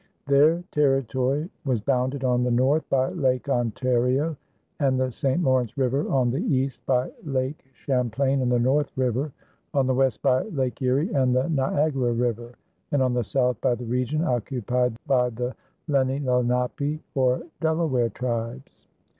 Their territory was bounded on the north by Lake Ontario and the St. Lawrence River, on the east by Lake Champlain and the North River, on the west by Lake Erie and the Niagara River, and on the south by the region occupied by the Lenni Lenape, or Delaware tribes.